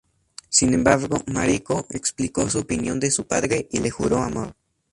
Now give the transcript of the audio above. Sin embargo, Mariko explicó su opinión de su padre y le juró amor.